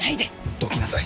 どきなさい！